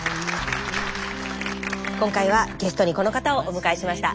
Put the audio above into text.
今回はゲストにこの方をお迎えしました。